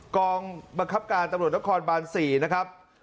กองบังคับการตำรวจนครบาน๔นะครับ